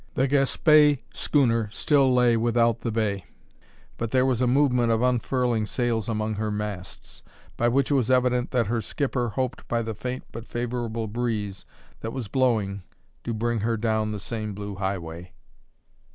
The Gaspé schooner still lay without the bay, but there was a movement of unfurling sails among her masts, by which it was evident that her skipper hoped by the faint but favourable breeze that was blowing to bring her down the same blue highway.